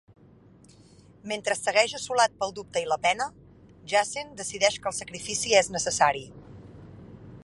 Mentre segueix assolat pel dubte i la pena, Jacen decideix que el sacrifici és necessari.